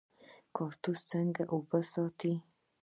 کاکتوس څنګه اوبه ساتي؟